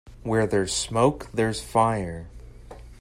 Where there's smoke there's fire.